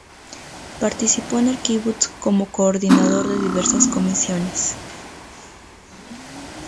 Participó en el kibutz como coordinador de diversas comisiones.